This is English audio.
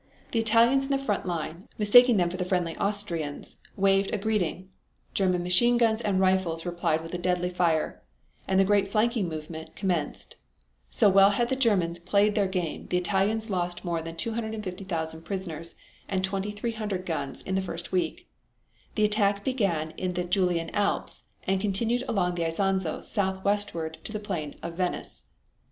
The Italians in the front line, mistaking them for the friendly Austrians, waved a greeting. German machine guns and rifles replied with a deadly fire, and the great flanking movement commenced. So well had the Germans played their game the Italians lost more than 250,000 prisoners and 2,300 guns in the first week. The attack began in the Julian Alps and continued along the Isonzo southwestward into the plain of Venice.